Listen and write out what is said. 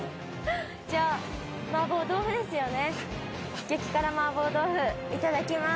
じゃあ麻婆豆腐ですよね。